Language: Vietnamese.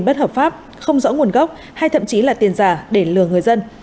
bất hợp pháp không rõ nguồn gốc hay thậm chí là tiền giả để lừa người dân